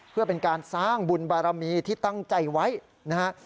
เพื่อเป็นการสร้างบุญบารมีที่ตั้งใจไว้นะฮะ